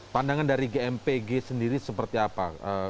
pandangan dari gmpg sendiri seperti apa